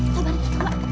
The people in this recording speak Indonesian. terima kasih pak